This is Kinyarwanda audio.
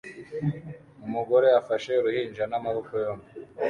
Umugore afashe uruhinja n'amaboko yombi